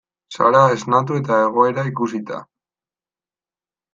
Sara esnatu eta egoera ikusita.